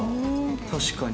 確かに。